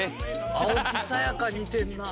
青木さやか似てるなぁ。